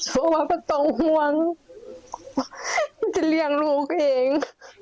เพราะว่าประตงฮวงจะเลี้ยงลูกเอง